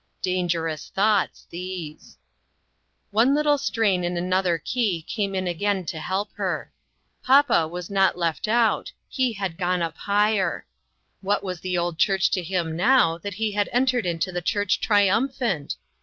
Dangerous thoughts, these ! One little strain in another key came in TRYING TO ENDURE. 73 again to help her : Papa was not left out; he had gone up higher. What was the old church to him now that he had entered into the church triumphant?